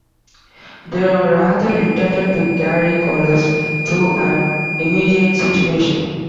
They are rather intended to carry callers through an immediate situation.